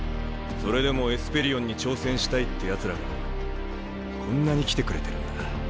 それでもエスペリオンに挑戦したいってやつらがこんなに来てくれてるんだ。